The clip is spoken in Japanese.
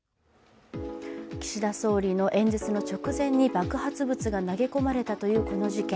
岸田総理の演説の直前に爆発物が投げ込まれたというこの事件。